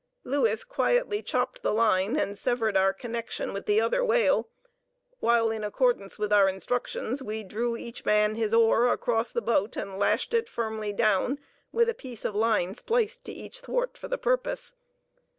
Louis quietly chopped the line and severed our connection with the other whale, while in accordance with our instructions we drew each man his oar across the boat and lashed it firmly down with a piece of line spliced to each thwart for the purpose.